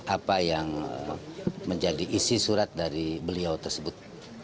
apa yang menjadi isi surat dari beliau tersebut